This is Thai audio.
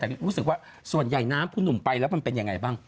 แต่รู้สึกว่าส่วนใหญ่น้ำคุณหนุ่มไปแล้วมันเป็นยังไงบ้าง